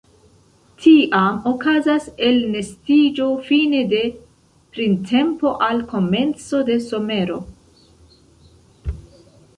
Tiam okazas elnestiĝo fine de printempo al komenco de somero.